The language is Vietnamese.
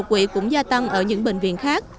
đột quỵ cũng gia tăng ở những bệnh viện khác